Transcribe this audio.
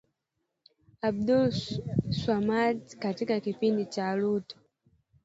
Abdul Swamadi katika kipindi na Ruto